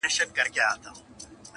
غوږ یې ونیوی منطق د زورور ته؛